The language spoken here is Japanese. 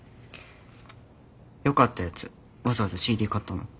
よかったやつわざわざＣＤ買ったの？